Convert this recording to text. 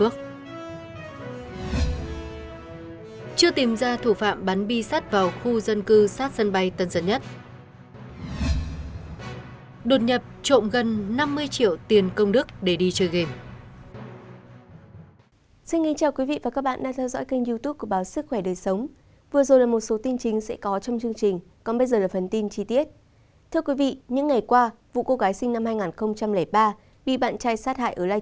chưa tìm ra thủ phạm bắn bi sát vào khu dân cư sát sân bay tân dân nhất